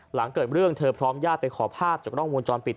หลังเกิดเรื่องเธอพร้อมญาติไปขอภาพจากกล้องวงจรปิด